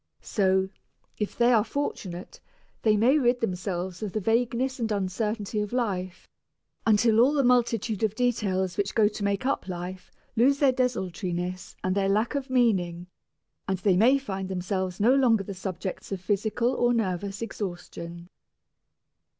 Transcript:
So, if they are fortunate, they may rid themselves of the vagueness and uncertainty of life, until all the multitude of details which go to make up life lose their desultoriness and their lack of meaning, and they may find themselves no longer the subjects of physical or nervous exhaustion.